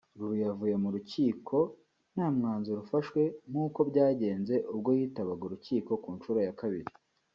Lulu yavuye mu rukiko nta mwanzuro ufashwe nkuko byagenze ubwo yitabaga urukiko ku nshuro ya kabiri